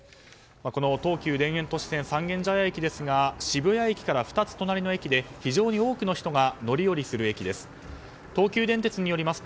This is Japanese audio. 東急田園都市線三軒茶屋駅ですが渋谷駅から２つ隣の駅で非常に多くの人が乗り降りする駅です。